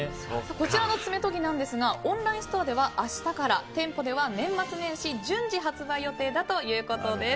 こちらの爪とぎなんですがオンラインストアでは明日から店舗では年末年始順次発売予定だということです。